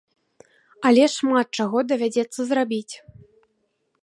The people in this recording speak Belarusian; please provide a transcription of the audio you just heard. Але шмат чаго давядзецца зрабіць.